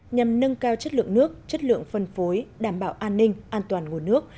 nhằm nâng cao chất lượng nước chất lượng phân phối đảm bảo an ninh an toàn nguồn nước